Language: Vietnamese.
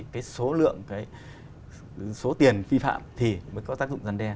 cái số lượng cái số tiền phi phạm thì mới có tác dụng gian đe